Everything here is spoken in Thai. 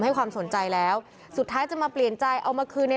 ให้ความสนใจแล้วสุดท้ายจะมาเปลี่ยนใจเอามาคืนใน